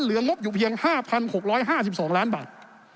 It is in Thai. งบอยู่เพียง๕๖๕๒ล้านบาท